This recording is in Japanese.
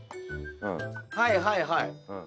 はいはいはい。